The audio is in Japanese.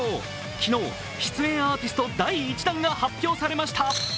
昨日の、出演アーティスト第１弾が発表されました。